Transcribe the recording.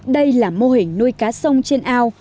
đây là mô hình nuôi cá sông trong áo